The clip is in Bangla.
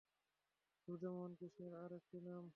রাধে মোহন শ্রীকৃষ্ণের আর একটি নাম।